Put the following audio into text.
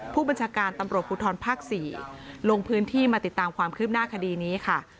ผู้บัญชาการตำรวจภูทรภาค๔ลงพื้นที่มาติดตามความคืบหน้าคดีนี้ค่ะ